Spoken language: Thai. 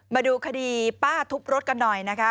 มาดูคดีป้าทุบรถกันหน่อยนะคะ